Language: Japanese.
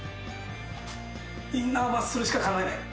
インナーマッスルしか考えない。